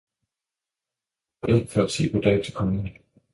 Degnen var gået ind for at sige god dag til konen.